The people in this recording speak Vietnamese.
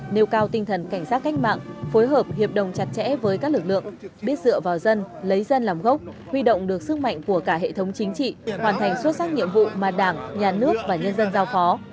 nêu cao tinh thần cảnh sát cách mạng phối hợp hiệp đồng chặt chẽ với các lực lượng biết dựa vào dân lấy dân làm gốc huy động được sức mạnh của cả hệ thống chính trị hoàn thành xuất sắc nhiệm vụ mà đảng nhà nước và nhân dân giao phó